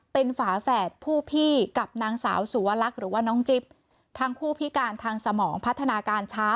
เป็นฝาแฝดผู้พี่กับนางสาวสุวรรคหรือว่าน้องจิ๊บทั้งคู่พิการทางสมองพัฒนาการช้า